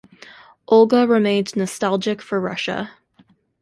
Olga remained nostalgic for Russia.